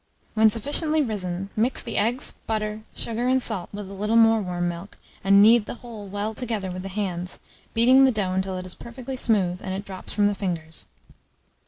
When sufficiently risen, mix the eggs, butter, sugar, and salt with a little more warm milk, and knead the whole well together with the hands, beating the dough until it is perfectly smooth, and it drops from the fingers.